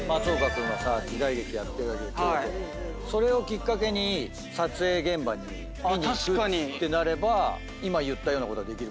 それをきっかけに撮影現場に見に行くってなれば今言ったようなことはできる。